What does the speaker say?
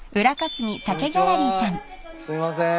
すいません。